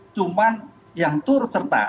cuman yang turut serta